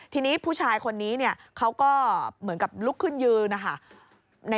ทีนี้ผู้ชายคนนี้เขาก็เหมือนกับลุกขึ้นยืนนะคะ